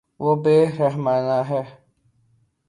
وہ بے رحمانہ ہے